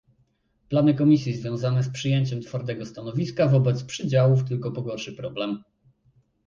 Plany Komisji związane z przyjęciem twardego stanowiska wobec przydziałów tylko pogorszy problem